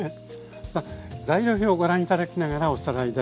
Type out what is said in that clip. さあ材料表をご覧頂きながらおさらいです。